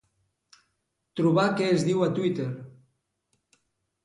Trobar què es diu a Twitter.